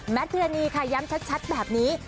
แมทเพื่อนีค่ะย้ำชัดแบบนี้